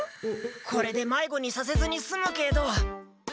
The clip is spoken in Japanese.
これでまいごにさせずにすむけど。